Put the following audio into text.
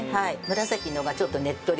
紫のがちょっとねっとり。